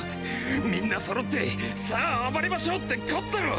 みんな揃ってさァ暴れましょうってこったろ！？